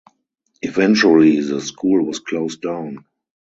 Eventually the school was closed down.